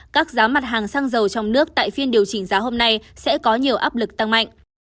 các giá mặt hàng xăng dầu trong nước tại phiên điều chỉnh giá hôm nay sẽ có nhiều áp lực tăng mạnh